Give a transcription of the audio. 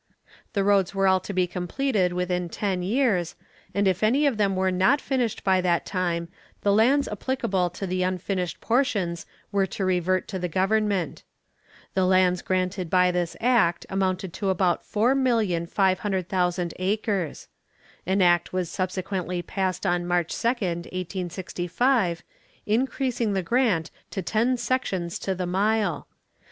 The roads were all to be completed within ten years, and if any of them were not finished by that time the lands applicable to the unfinished portions were to revert to the government. The lands granted by this act amounted to about 4,500,000 acres. An act was subsequently passed on March 2, 1865, increasing the grant to ten sections to the mile.